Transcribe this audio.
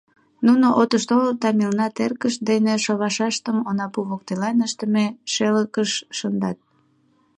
Нуно отыш толыт да мелна теркышт дене шовашыштым онапу воктелан ыштыме шелыкыш шындат.